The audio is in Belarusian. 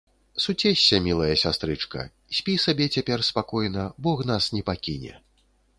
- Суцешся, мілая сястрычка, спі сабе цяпер спакойна, Бог нас не пакіне